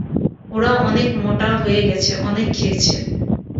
ওরা অনেক মোটা হয়ে গেছে, অনেক খেয়েছে।